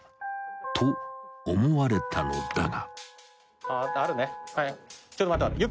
［と思われたのだが］